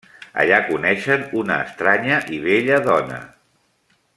Allà coneixen una estranya i bella dona.